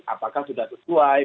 apakah sudah sesuai